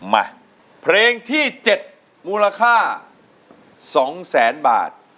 มาเพลงที่๗มูลค่า๒แสนบาท